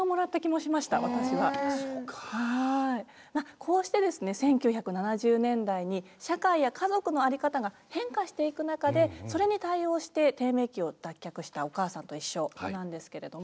こうしてですね１９７０年代に社会や家族の在り方が変化していく中でそれに対応して低迷期を脱却した「おかあさんといっしょ」なんですけれども。